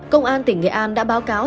công an tỉnh nghệ an đã báo cáo